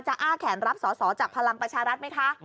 อ้าแขนรับสอสอจากพลังประชารัฐไหมคะ